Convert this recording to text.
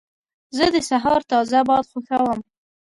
زه د سهار تازه باد خوښوم.